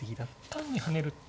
単に跳ねると。